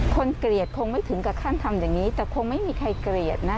เกลียดคงไม่ถึงกับขั้นทำอย่างนี้แต่คงไม่มีใครเกลียดนะ